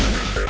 dimana ini pak